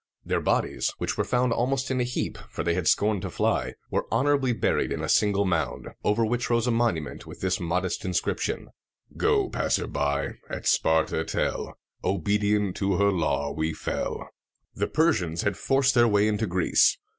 Their bodies, which were found almost in a heap, for they had scorned to fly, were honorably buried in a single mound, over which rose a monument with this modest inscription, "Go, passer by, at Sparta tell, Obedient to her law we fell." The Persians had forced their way into Greece.